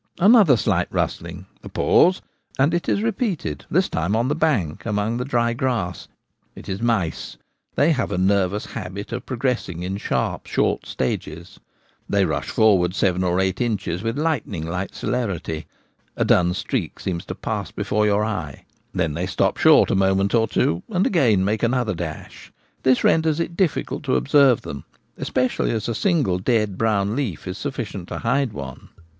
Another slight rustling — a pause, and it is repeated ; this time on the bank, among the dry grass. It is mice ; they have a nervous habit of pro gressing in sharp, short stages. They rush forward seven or eight inches with lightning like celerity— a dun streak seems to pass before your eye ; then they stop short a moment or two, and again make another dash. This renders it difficult to observe them, especially as a single dead brown leaf is sufficient to hide one.